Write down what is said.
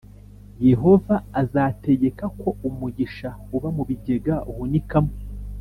Yehova azategeka ko umugisha uba mu bigega uhunikamo